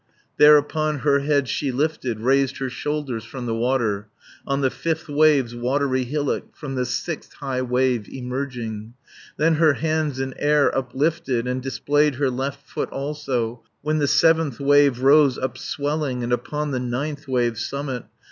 Thereupon her head she lifted, Raised her shoulders from the water, 90 On the fifth wave's watery hillock, From the sixth high wave emerging, Then her hands in air uplifted, And displayed her left foot also, When the seventh wave roses upswelling, And upon the ninth wave's summit.